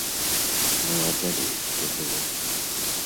Ну, а далей што было?